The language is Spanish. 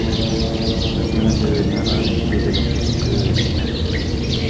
Nació en la ciudad de Naha al interior de la Prefectura de Okinawa.